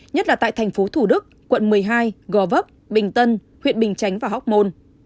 nhất là tại tp hcm quận một mươi hai gò vấp bình tân huyện bình chánh và hóc môn